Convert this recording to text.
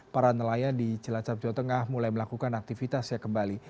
para nelayan di cilacap jawa tengah mulai melakukan aktivitasnya kembali